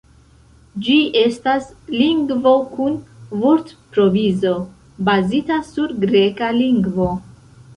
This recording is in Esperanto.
Ĝi estas lingvo kun vortprovizo bazita sur greka lingvo.